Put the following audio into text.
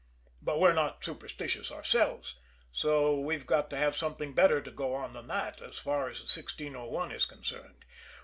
But we're not superstitious ourselves, so we've got to have something better to go on than that, as far as the 1601 is concerned.